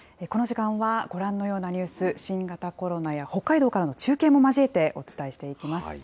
この時間は、ご覧のようなニュース、新型コロナや北海道からの中継も交えてお伝えしていきます。